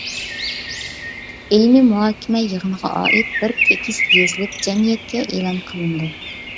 ئىلمىي مۇھاكىمە يىغىنىغا ئائىت بىر تېكىست يېزىلىپ، جەمئىيەتكە ئېلان قىلىنىدۇ.